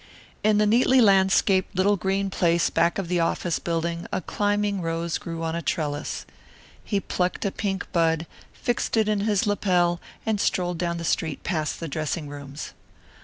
In the neatly landscaped little green place back of the office building a climbing rose grew on a trellis. He plucked a pink bud, fixed it in his lapel, and strolled down the street past the dressing rooms.